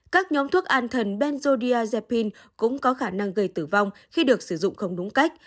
các nhóm thuốc an thần benzodia japine cũng có khả năng gây tử vong khi được sử dụng không đúng cách